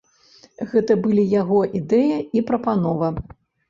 Гэта былі яго ідэя і прапанова.